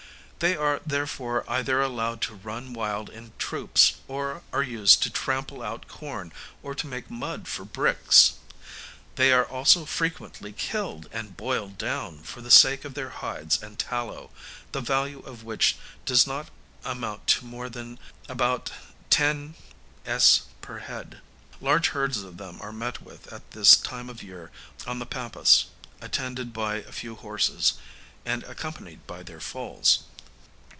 They are therefore either allowed to run wild in troops, or are used to trample out corn or to make mud for bricks. They are also frequently killed and boiled down, for the sake of their hides and tallow, the value of which does not amount to more than about 10_s_. per head. Large herds of them are met with at this time of the year on the Pampas, attended by a few horses, and accompanied by their foals.